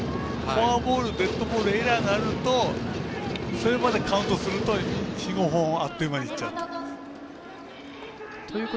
フォアボール、デッドボールエラーがあるとそれまでカウントすると４５本あっという間にいっちゃう。